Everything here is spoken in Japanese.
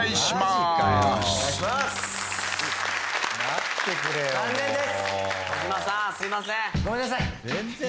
すいません